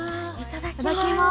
いただきます。